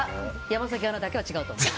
山崎アナだけは違うと思う。